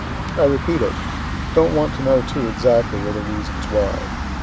I repeat it don't want to know too exactly, or the reasons why.